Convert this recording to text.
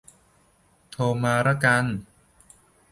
โทรมาละกัน